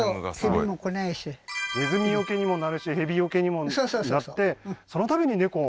ネズミ避けにもなるし蛇避けにもなってそのために猫を？